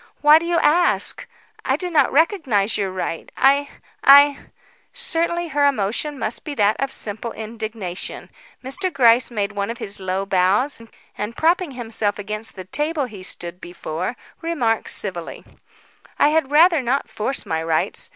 Why do you ask? I do not recognise your right. I I " Certainly her emotion must be that of simple indignation. Mr. Gryce made one of his low bows, and propping himself against the table he stood before, remarked civilly: "I had rather not force my rights.